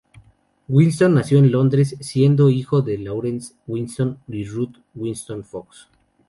Winston nació en Londres siendo hijo de Laurence Winston y Ruth Winston-Fox.